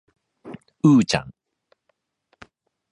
うーちゃん